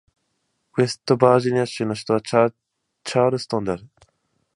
ウェストバージニア州の州都はチャールストンである